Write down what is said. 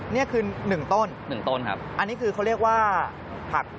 นี่คือ๑ต้นอันนี้คือเขาเรียกว่าผัก